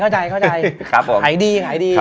ใช้ดี